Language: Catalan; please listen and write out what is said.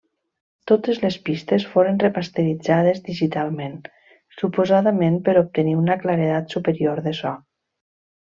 Totes les pistes foren remasteritzades digitalment, suposadament per obtenir una claredat superior de so.